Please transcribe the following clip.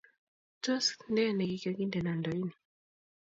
tos? Nee ne kakindena ndooini